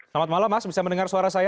selamat malam mas bisa mendengar suara saya